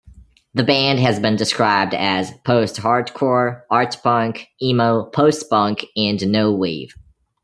The band has been described as post-hardcore, art punk, emo, post-punk, and no wave.